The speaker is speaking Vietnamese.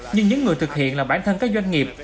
nhưng những người thực hiện là bản thân các doanh nghiệp